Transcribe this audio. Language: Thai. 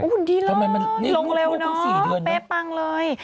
หุ่นดีแล้วลงเร็วเนอะเป๊ะปังเลย